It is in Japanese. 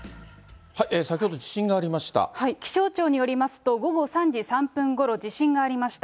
気象庁によりますと、午後３時３分ごろ、地震がありました。